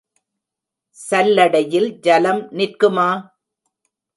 சல்லடையில் ஐலம் நிற்குமா?